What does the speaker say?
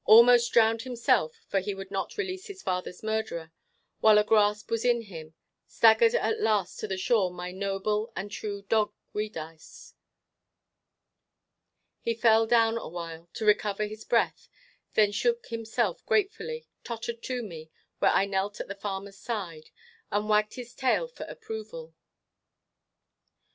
Almost drowned himself for he would not release his father's murderer, while a gasp was in him staggered at last to the shore my noble and true dog Giudice. He fell down awhile, to recover his breath, then shook himself gratefully, tottered to me, where I knelt at the farmer's side, and wagged his tail for approval.